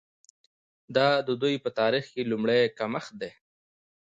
دا د دوی په تاریخ کې لومړی کمښت دی.